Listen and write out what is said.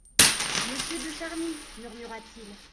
Monsieur de Charny ! murmura-t-il.